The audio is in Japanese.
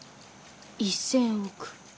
１０００億。